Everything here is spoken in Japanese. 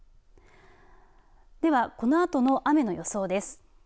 では、このあとの雨の予想です。